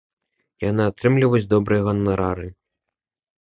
Яны атрымліваюць добрыя ганарары.